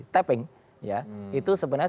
taping ya itu sebenarnya